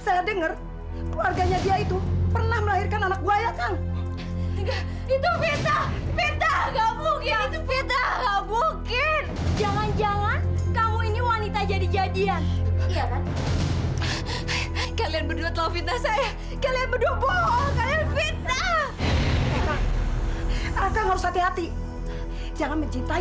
sampai jumpa di video selanjutnya